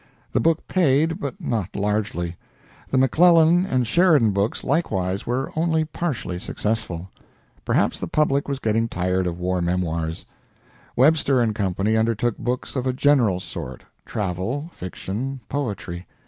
The book paid, but not largely. The McClellan and Sheridan books, likewise, were only partially successful. Perhaps the public was getting tired of war memoirs. Webster & Co. undertook books of a general sort travel, fiction, poetry.